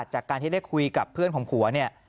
จากการที่ได้คุยกับเพื่อนของผัวเนี่ย